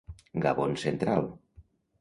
Gabon central.